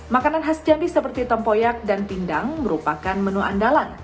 makanan khas jambi seperti tompoyak dan pindang merupakan menu andalan